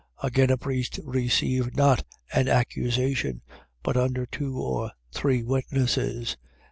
5:19. Against a priest receive not an accusation, but under two or three witnesses.